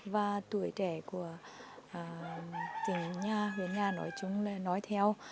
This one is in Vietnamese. và tuổi trẻ của tỉnh huyện nhà nói theo